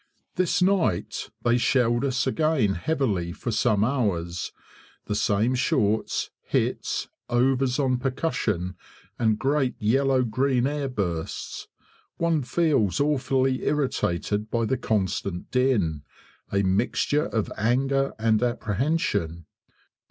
This night they shelled us again heavily for some hours the same shorts, hits, overs on percussion, and great yellow green air bursts. One feels awfully irritated by the constant din a mixture of anger and apprehension.